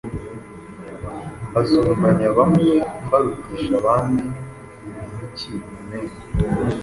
mbasumbanya bamwe mbarutisha abandi. Ni iki munenga?